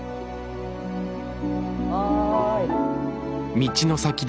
おい。